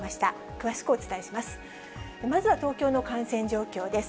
詳しくお伝えします。